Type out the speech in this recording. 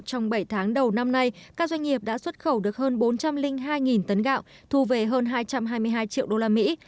trong bảy tháng đầu năm nay các doanh nghiệp đã xuất khẩu được hơn bốn trăm linh hai tấn gạo thu về hơn hai trăm hai mươi hai triệu đô la mỹ